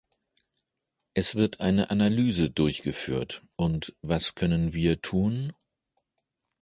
Es wird eine Analyse durchgeführt, und was können wir tun?